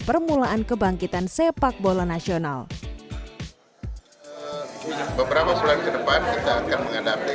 permulaan kebangkitan sepak bola nasional beberapa bulan ke depan kita akan menghadapi